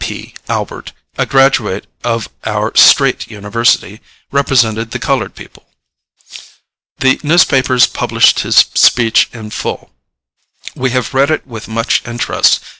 P. Albert, a graduate of our Straight University, represented the colored people. The newspapers published his speech in full. We have read it with much interest.